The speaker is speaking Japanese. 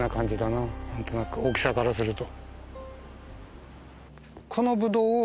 何となく大きさからすると。